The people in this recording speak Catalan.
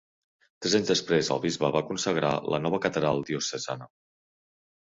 Tres anys després el bisbe va consagrar la nova catedral diocesana.